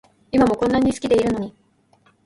今もこんなに好きでいるのに